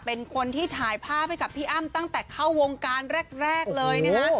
เป็นคนที่ถ่ายภาพให้กับพี่อ้ำตั้งแต่เข้าวงการแรกเลยนะฮะ